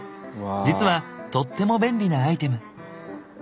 実はとっても便利なアイテム。